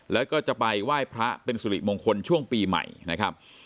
แล้วก็จะไปไหว้พระเป็นสุริมงคลช่วงปีใหม่นะครับ